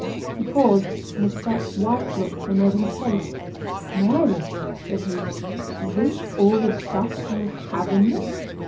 He paused, and a set, white look came over his face. "Mary!" said he, "is this all the trust you have in me?